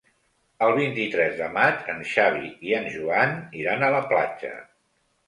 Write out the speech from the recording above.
El vint-i-tres de maig en Xavi i en Joan iran a la platja.